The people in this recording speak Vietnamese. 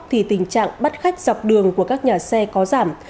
thì tình trạng bắt khách dọc đường của các nhà xe có giảm